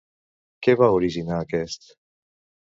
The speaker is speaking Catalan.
Què va originar aquest?